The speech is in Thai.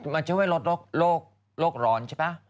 มันช่ึงว่าโรคร้อนใช่ป่ะ